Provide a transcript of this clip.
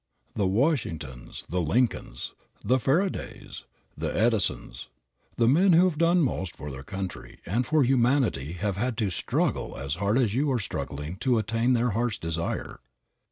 The Washingtons, the Lincolns, the Faradays, the Edisons, the men who have done most for their country and for humanity have had to struggle as hard as you are struggling to attain their heart's desire.